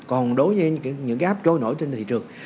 còn đối với những cái app đó trôi lên trên thị trường